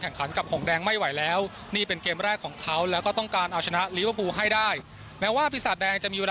แห่งขันกับของแดงไม่ไหวแล้วนี่เป็นเกมแรกของเขาแล้วก็ต้องการอาชญาเลวให้ได้แม้ว่าพี่สาดแดงจะมีเวลา